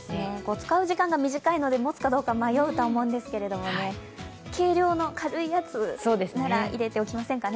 使う時間が短いので、持つかどうか迷うとは思うんですが、軽量の軽いやつなら入れておきませんかね。